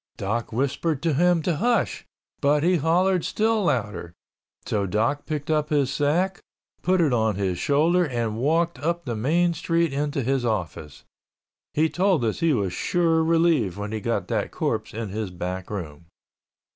Doc whispered to him to hush, but he hollered still louder, so Doc picked up his sack, put it on his shoulder and walked up the main street into his office. He told us he was sure relieved when he got that corpse in his back room.